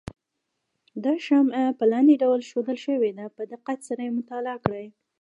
دا شمې په لاندې ډول ښودل شوې ده په دقت سره یې مطالعه کړئ.